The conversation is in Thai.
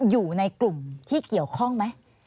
อยู่ในกลุ่มที่เกี่ยวข้องไหม